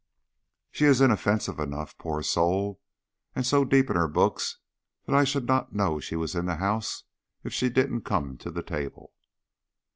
"She is inoffensive enough, poor soul, and so deep in her books that I should not know she was in the house if she didn't come to the table."